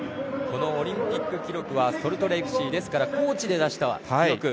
オリンピック記録はソルトレークシティーですから高地で出した記録。